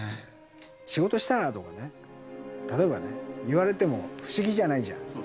仕事したら？とかね、例えばね、言われても不思議じゃないじゃん。